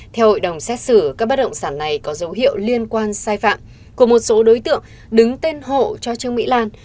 theo hội đồng xét xử các bất động sản này có dấu hiệu liên quan sai phạm của một số đối tượng đứng tên hộ cho trương mỹ lan